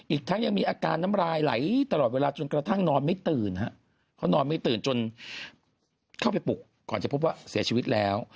อีกทั้งยังมีอาการน้ำลายไหลตลอดเวลาจนกระทั่งนอนไม่ตื่นฮะเขานอนไม่ตื่นจนเข้าไปปลุกก่อนจะพบว่าเสียชีวิตแล้ว